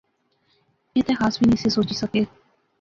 ایہہ تہ خاص وی نہسے سوچی سکے